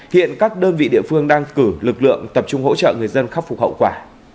hiện các đơn vị địa phương đang cử lực lượng tập trung hỗ trợ người dân khắc phục hậu quả